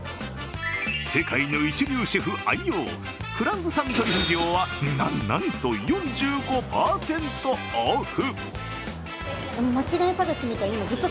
世界の一流シェフ愛用、フランス産トリュフ塩はなんと４５％オフ。